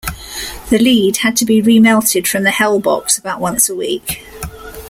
The lead had to be remelted from the "Hell box" about once a week.